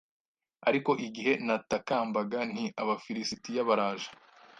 ariko igihe natakambaga nti "Abafilisitiya baraje